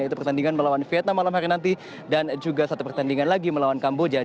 yaitu pertandingan melawan vietnam malam hari nanti dan juga satu pertandingan lagi melawan kamboja